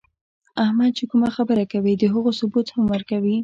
احمد چې کومه خبره کوي، د هغو ثبوت هم ورکوي.